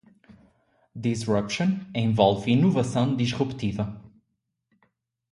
Disruption envolve inovação disruptiva.